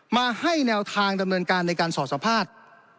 มาให้แนวทางดำเนินการในการสอดสัมภาษณ์